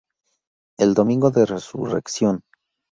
El Domingo de Resurrección.